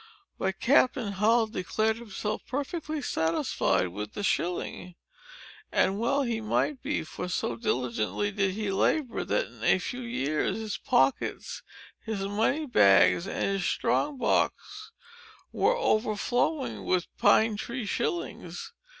But Captain Hull declared himself perfectly satisfied with the shilling. And well he might be; for so diligently did he labor, that, in a few years, his pockets, his money bags, and his strong box, were overflowing with pine tree shillings.